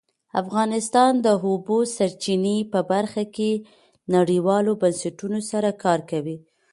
افغانستان د د اوبو سرچینې په برخه کې نړیوالو بنسټونو سره کار کوي.